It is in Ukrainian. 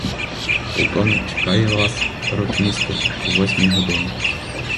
Полковник чекає вас, ротмістр, о восьмій годині.